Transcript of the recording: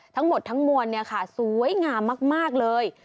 ทั้งหมดทั้งมวลสวยงามมากเลย